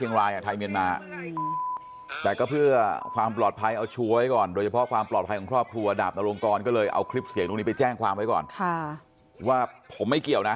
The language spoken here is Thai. นี่คือคำพูดของเขานะครับ